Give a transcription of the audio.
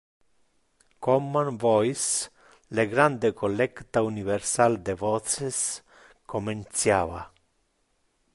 Common Voice - Le grande collecta universal de voces comenciava!